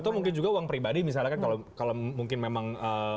atau mungkin juga uang pribadi misalnya kan kalau mungkin memang